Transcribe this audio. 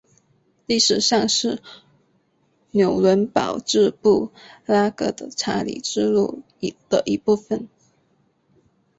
历史上是纽伦堡至布拉格的查理之路的一部份。